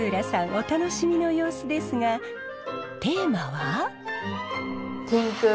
お楽しみの様子ですがテーマは？